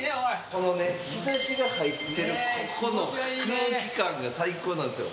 このね日差しが入ってるここの空気感が最高なんですよ。